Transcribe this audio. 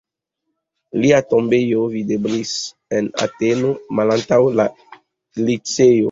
Lia tombejo videblis en Ateno, malantaŭ la Liceo.